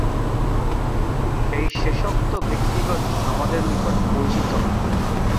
এই শেষোক্ত ব্যক্তিগণই আমাদের নিকট পরিচিত হন।